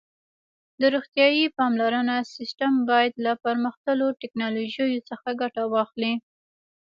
د روغتیايي پاملرنې سیسټم باید له پرمختللو ټکنالوژیو څخه ګټه واخلي.